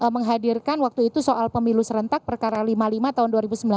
menghadirkan waktu itu soal pemilu serentak perkara lima puluh lima tahun dua ribu sembilan belas